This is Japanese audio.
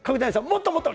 もっともっと。